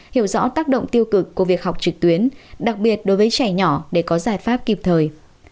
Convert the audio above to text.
hiểu rõ tác động tiêu cực của việc học trực tuyến đặc biệt đối với trẻ nhỏ để có giải pháp kịp thời